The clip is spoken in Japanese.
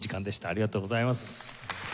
ありがとうございます。